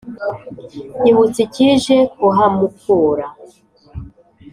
Nyibutsa icyije kuhamukura